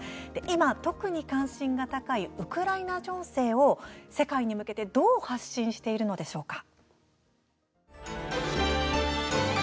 今、特に関心が高いウクライナ情勢を世界に向けてどう発信しているのでしょうか。